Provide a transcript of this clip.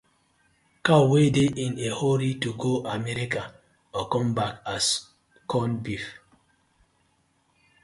Cow wey dey in a hurry to go America go come back as corn beef: